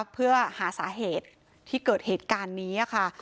เพื่อหาสาเหตุที่เกิดเหตุการณ์นี้ค่ะ